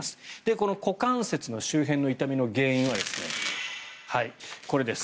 この股関節の周辺の痛みの原因はこれです。